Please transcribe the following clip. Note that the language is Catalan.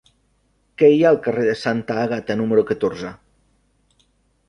Què hi ha al carrer de Santa Àgata número catorze?